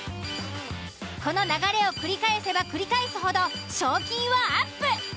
この流れを繰り返せば繰り返すほど賞金はアップ。